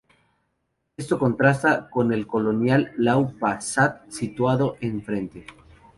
Esto contrasta con el colonial Lau Pa Sat situado enfrente.